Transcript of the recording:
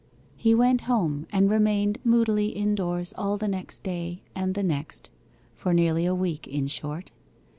He went home and remained moodily indoors all the next day and the next for nearly a week, in short.